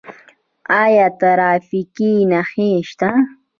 آیا ټرافیکي نښې شته؟